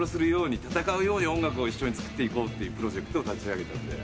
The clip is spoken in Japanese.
戦うように音楽を一緒に作っていこうっていうプロジェクトを立ち上げたんで。